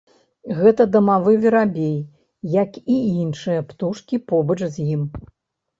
Гэта дамавы верабей, як і іншыя птушкі побач з ім.